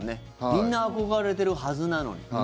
みんな憧れてるはずなのに。